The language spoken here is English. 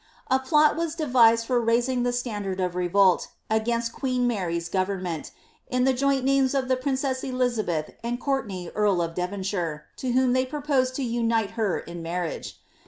A plot was devised for raising the standard of revolt, against queen Mary's government, in the joint names of the princess Elizabeth and Courtenay earl of Devonshire, to whom they proposed to unite her in marriage.